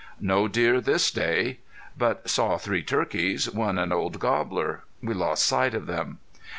No deer this day! But saw three turkeys, one an old gobbler. We lost sight of them.